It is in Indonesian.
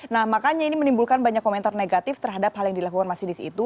nah makanya ini menimbulkan banyak komentar negatif terhadap hal yang dilakukan masinis itu